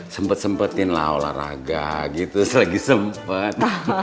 sempet sempetinlah olahraga gitu selagi sempet